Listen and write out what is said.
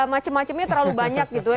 macam macamnya terlalu banyak gitu ya